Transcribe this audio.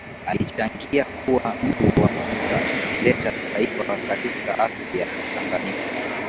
alichangia kuwa mtu wa kwanza kuleta utaifa katika ardhi ya Tanganyika